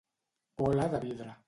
Bola de vidre.